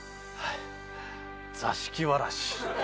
座敷わらし。